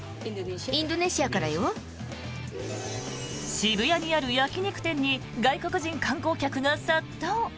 渋谷にある焼き肉店に外国人観光客が殺到。